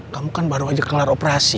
kamu baru saja mengalami operasi